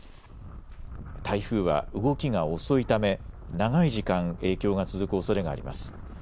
台風は動きが遅いため長い時間影響が続くおそれがあります。